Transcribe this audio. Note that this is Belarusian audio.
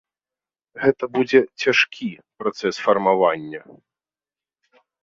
Гэта будзе цяжкі працэс фармавання.